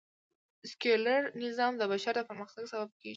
سکیولر نظام د بشر د پرمختګ سبب کېږي